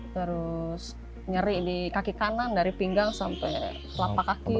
terus nyeri di kaki kanan dari pinggang sampai telapak kaki